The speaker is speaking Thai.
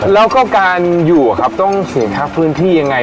แล้วก็การอยู่ครับต้องศูนย์พักพื้นที่ยังไง